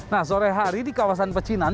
nah sore hari di kawasan pecinan